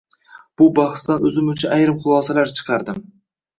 Bu bahsdan o’zim uchun ayrim xulosalar chiqardim: